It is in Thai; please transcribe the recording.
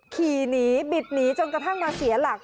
ขี่หนีบิดหนีจนกระทั่งมาเสียหลัก